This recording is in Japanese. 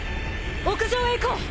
屋上へ行こう！